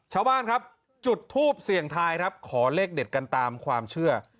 ชาวบ้านครับจุดทูปเสี่ยงทายครับขอเลขเด็ดกันตามความเชื่อ